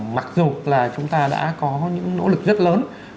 mặc dù là chúng ta đã có những nỗ lực rất lớn